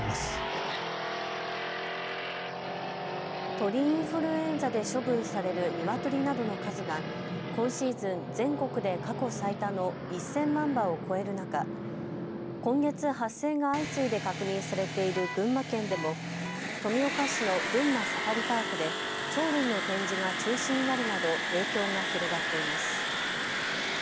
鳥インフルエンザで処分されるニワトリなどの数が今シーズン全国で過去最多の１０００万羽を超える中、今月、発生が相次いで確認されている群馬県でも富岡市の群馬サファリパークで鳥類の展示が中止になるなど影響が広がっています。